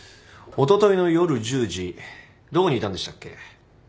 おとといの夜１０時どこにいたんでしたっけ？